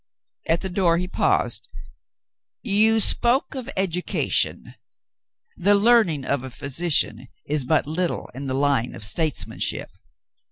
At the door he paused, "You spoke of education — the learning of a physician is but little in the line of statesmanship.